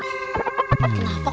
biasanya aku sangat menarik